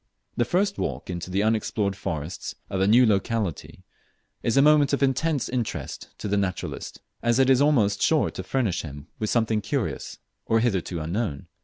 The first walk into the unexplored forests of a new locality is a moment of intense interest to the naturalist, as it is almost sure to furnish him with something curious or hitherto unknown.